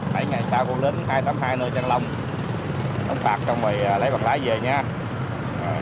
hãy ngày sau con đến hai trăm tám mươi hai nơi trang long ông phạc trong này lấy bằng lái về nha rồi bây giờ tiến hành lập phạm